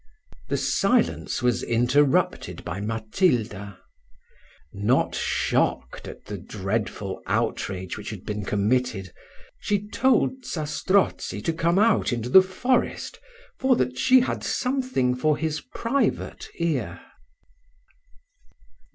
The silence was interrupted by Matilda. Not shocked at the dreadful outrage which had been committed, she told Zastrozzi to come out into the forest, for that she had something for his private ear.